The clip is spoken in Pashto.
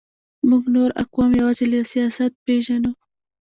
موږ نور اقوام یوازې له سیاست پېژنو.